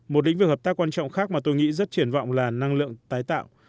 một lĩnh vực hợp tác quan trọng khác mà tôi nghĩ rất triển vọng là năng lượng tái tạo